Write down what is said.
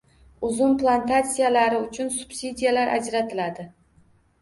Uzum plantatsiyalari uchun subsidiyalar ajratiladi